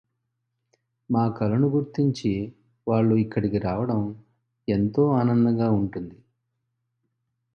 మా కళను గుర్తించి వాళ్ళు ఇక్కడికి రావడం ఎంతో ఆనందంగా ఉంటుంది.